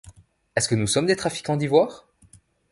Est-ce que nous sommes des trafiquants d’ivoire ?